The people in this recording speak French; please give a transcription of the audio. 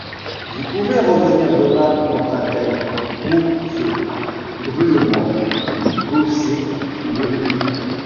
Vous pouvez revenir demain, reprint-elle pour se druement gausser de luy.